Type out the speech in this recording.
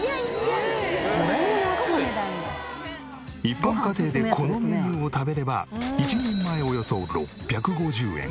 一般家庭でこのメニューを食べれば１人前およそ６５０円。